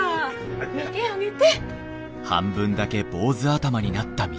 見てあげて。